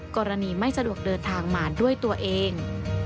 กรณีไม่สะดวกเดินทางมาด้วยตัวเอง